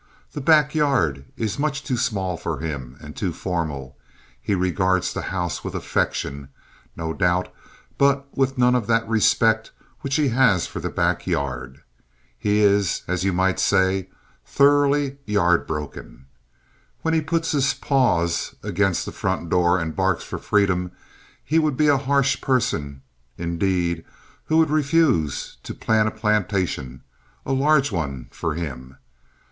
The backyard is much too small for him, and too formal. He regards the house with affection, no doubt, but with none of that respect which he has for the backyard. He is, as you might say, thoroughly yard broken. When he puts his paws against the front door and barks for freedom he would be a harsh person indeed who would refuse to plan a plantation, a large one, for him.